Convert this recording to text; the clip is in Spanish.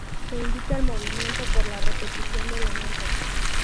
Se indica el movimiento por la repetición de elementos.